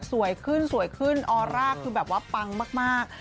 สวยขึ้นออร่าคือแบบว่าปังมาก